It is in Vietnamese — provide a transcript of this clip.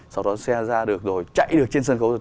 sau đó xe ra được rồi chạy được trên sân khấu rồi